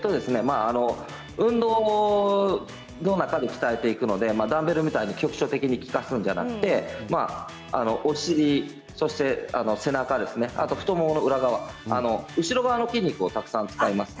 運動の中で鍛えていくのでダンベルのように局所的に効かせるのではなくてお尻と背中、太ももの裏側後ろ側の筋肉をたくさん使います。